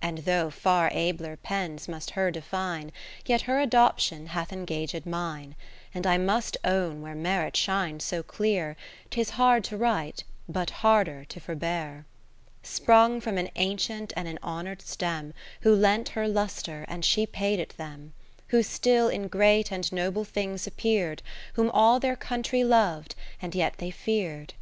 And though far abler pens must her define, Yet her adoption hath engaged mine : And I must own where merit shines so clear, 'Tis hard to write, but harder to forbear. 10 Katheri7te Philips Sprung from an ancient and an honour'd stem, Who lent her lustre, and she paid it them ; Who still in great and noble things appear'dj Whom all their country lov'd, and yet they fear'd.